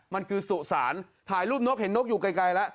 มันคือสุสานถ่ายรูปนกเห็นนกอยู่ไกลแล้ว